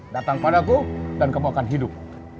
datang padaku dan kamu akan hidup